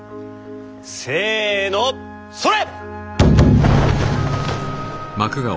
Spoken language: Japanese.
せのそれ！